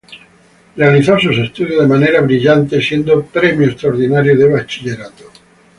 Realizó sus estudios de manera brillante, siendo premio extraordinario de bachillerato.